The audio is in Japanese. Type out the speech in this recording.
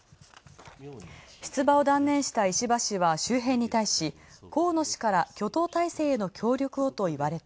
出馬を断念した石破氏は周辺に対し、河野氏から挙党態勢への協力をといわれた。